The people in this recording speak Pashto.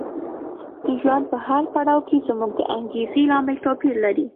د ژوند په هر پړاو کې زموږ د انګېزې لامل توپیر لري.